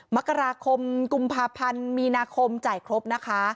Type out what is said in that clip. มกราคมกุมภาพันธ์มีนาคมจ่ายครบนะคะ